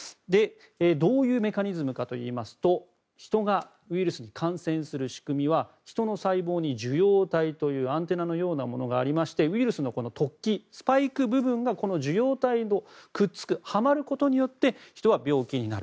どういうメカニズムかというとヒトがウイルスに感染する仕組みはヒトの細胞に受容体というアンテナのようなものがありましてウイルスの突起、スパイク部分がこの受容体にくっつくはまることによってヒトは病気になる。